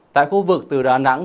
tại khu vực từ đà nẵng